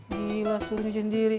gila suruh nyuci sendiri